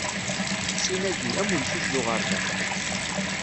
Sin-agi, am umcic d uɣerda.